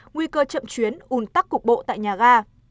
nguy cơ chậm chuyến ủn tắc cục bộ tại nhà ga